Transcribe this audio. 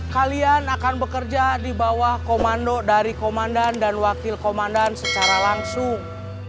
kalian akan bekerja di bawah komando dari komandan dan wakil komandan secara langsung